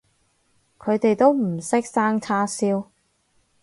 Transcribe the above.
佢哋都唔識生叉燒